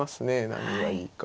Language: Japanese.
何がいいか。